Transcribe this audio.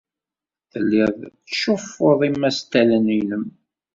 Telliḍ tettcuffuḍ imastalen-nnem.